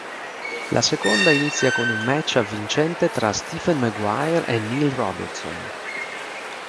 La seconda inizia con un match avvincente tra Stephen Maguire e Neil Robertson.